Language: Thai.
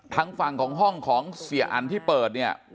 ทางฝั่งของห้องของเสียอันที่เปิดเนี่ย